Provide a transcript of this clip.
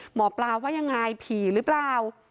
หมอปลาว่ายังไงผีหรือเปล่า